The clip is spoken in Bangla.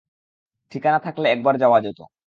ঠিকানা থাকলে একবার যাওয়া যেত।